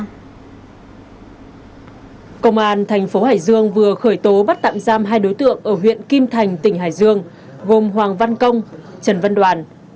công an tp hcm vừa khởi tố bắt tạm giam hai đối tượng ở huyện kim thành tỉnh hải dương gồm hoàng văn công trần văn đoàn